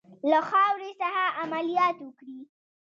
له خاورې څخه عملیات وکړي.